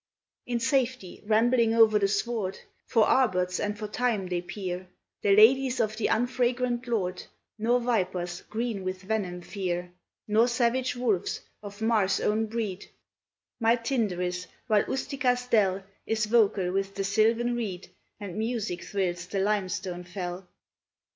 In safety rambling o'er the sward For arbutes and for thyme they peer, The ladies of the unfragrant lord, Nor vipers, green with venom, fear, Nor savage wolves, of Mars' own breed, My Tyndaris, while Ustica's dell Is vocal with the silvan reed, And music thrills the limestone fell.